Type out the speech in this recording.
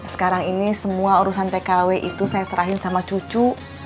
sekarang ini semua urusan tkw itu saya serahin sama cucu